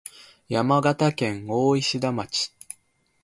山形県大石田町